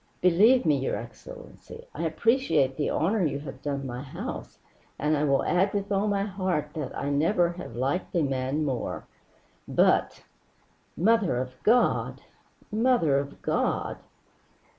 "Believe me, your excellency, I appreciate the honor you have done my house, and I will add with all my heart that never have I liked a man more. But Mother of God! Mother of God!"